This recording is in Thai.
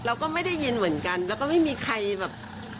เราก็ไม่ได้ยินเหมือนกันแล้วก็ไม่มีใครแบบ